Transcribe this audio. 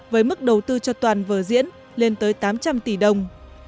với mức đầu tư cho toàn vở diễn lên tới tám trăm linh tỷ đồng